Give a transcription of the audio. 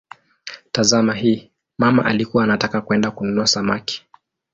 Tazama hii: "mama alikuwa anataka kwenda kununua samaki".